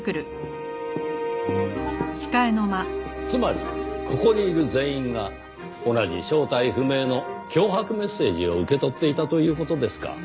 つまりここにいる全員が同じ正体不明の脅迫メッセージを受け取っていたという事ですか。